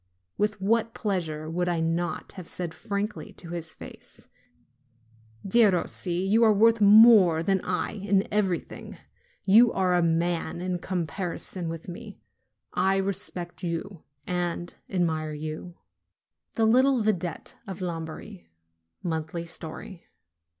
With what pleasure would I not have said frankly to his face: "Derossi, you are worth more than I in everything! You are a man in comparison with me ! I respect you and admire you!" THE LITTLE VIDETTE OF LOMBARDY (Monthly Story.)